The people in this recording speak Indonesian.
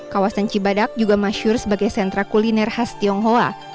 kawasan cibadak juga masyur sebagai sentra kuliner khas tionghoa